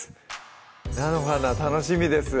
菜の花楽しみです